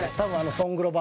ソング・ロバ？